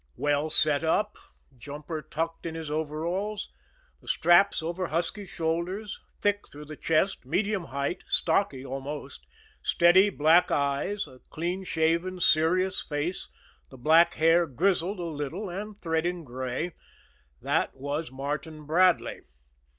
Well set up, jumper tucked in his overalls, the straps over husky shoulders, thick through the chest, medium height, stocky almost, steady black eyes, a clean shaven, serious face, the black hair grizzled a little and threading gray that was Martin Bradley.